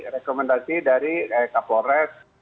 rekomendasi dari kores